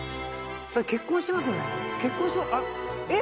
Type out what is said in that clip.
結婚してますよね？